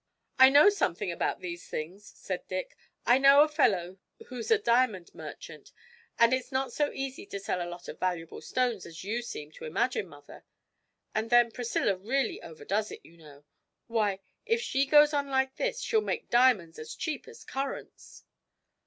'I know something about these things,' said Dick. 'I know a fellow who's a diamond merchant, and it's not so easy to sell a lot of valuable stones as you seem to imagine, mother. And then Priscilla really overdoes it, you know why, if she goes on like this, she'll make diamonds as cheap as currants!'